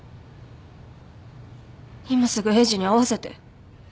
今すぐエイジに会わせて。